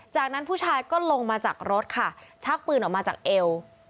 จากนั้นผู้ชายก็ลงมาจากรถค่ะชักปืนออกมาจากเอว